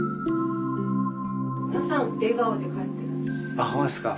あっ本当ですか。